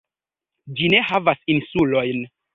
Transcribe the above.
Ĝi ne havas insulojn.